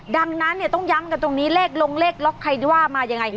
ดังนั้นเนี่ยต้องย้ำกันตรงนี้เลขลงเลขล็อกใครว่ามายังไง